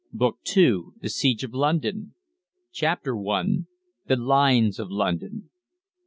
BOOK II. THE SIEGE OF LONDON. CHAPTER I. THE LINES OF LONDON.